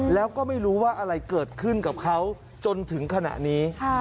แล้วก็ไม่รู้ว่าอะไรเกิดขึ้นกับเขาจนถึงขณะนี้